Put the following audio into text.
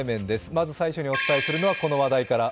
まず最初にお伝えするのはこの話題から。